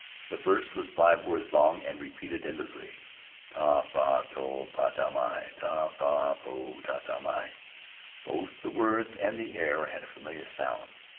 The verse was five words long and repeated endlessly. Tufra to potta mi y Tu fra to potta mi. Both the words and the air had a familiar sound.